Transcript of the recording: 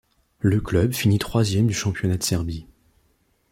Le club finit troisième du championnat de Serbie.